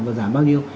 và giảm bao nhiêu